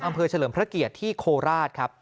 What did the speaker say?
อำเภอเฉลิมพระเกียจที่โคลาสครับ